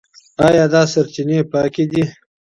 ايا دا سرچينې پاکي دي؟